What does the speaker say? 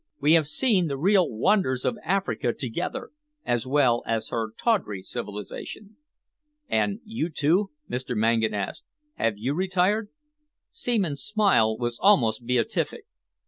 We have seen the real wonders of Africa together, as well as her tawdry civilisation." "And you, too," Mr. Mangan asked, "have you retired?" Seaman's smile was almost beatific.